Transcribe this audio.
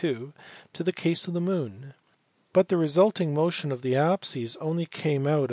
2) to the case of the moon, but the resulting motion of the apses only came out THE PRINCIPIA.